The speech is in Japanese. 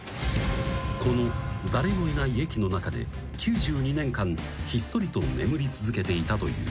［この誰もいない駅の中で９２年間ひっそりと眠り続けていたという］